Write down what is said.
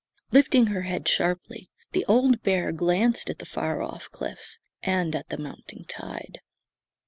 Lifting her head sharply, the old bear glanced at the far off cliffs, and at the mounting tide.